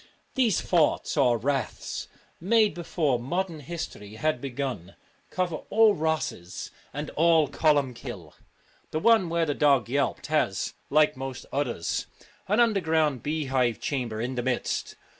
These forts or raths, made before modern history had begun, cover all Rosses and all Columkille. The one where the dog yelped has, like most others, an underground beehive chamber in the midst.